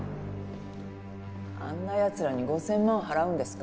あんなやつらに５，０００万払うんですか？